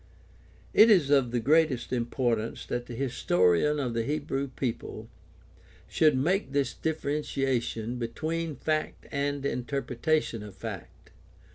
It is of the greatest importance that the historian of the Hebrew people should make this differentiation between fact and interpretation of fact.